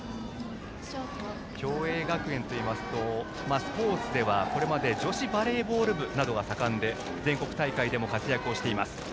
共栄学園といいますとスポーツでは女子バレーボール部などが盛んで全国大会でも活躍しています。